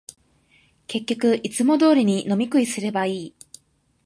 結局、いつも通りに飲み食いすればいい